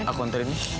aku hantar ini